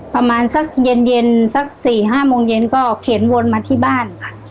ประมาณสักเย็นสัก๔๕โมงเย็นก็เข็นวนมาที่บ้านค่ะ